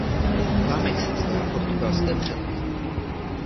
Má mexické a portugalské předky.